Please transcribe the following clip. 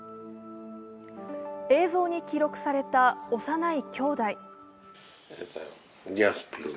映像に記録された幼いきょうだい。